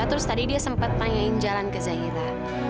terus tadi dia sempet tanyain jalan ke zahira